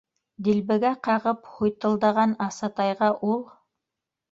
Дилбегә ҡағып һуйтылдаған Асатайға ул: